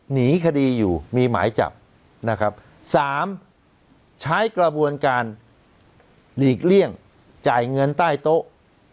หนีคดีอยู่มีหมายจับนะครับสามใช้กระบวนการหลีกเลี่ยงจ่ายเงินใต้โต๊ะ